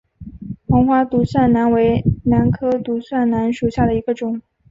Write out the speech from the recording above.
黄花独蒜兰为兰科独蒜兰属下的一个种。